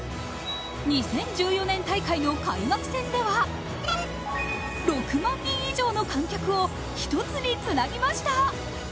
２０１４年大会の開幕戦では６万人以上の観客を１つにつなぎました。